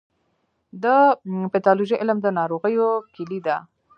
د پیتالوژي علم د ناروغیو کلي ده.